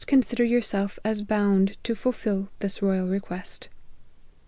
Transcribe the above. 175 consider yourself as bound to fulfil this royal request."